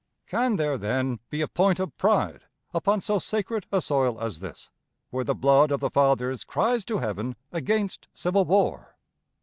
Can there, then, be a point of pride upon so sacred a soil as this, where the blood of the fathers cries to heaven against civil war?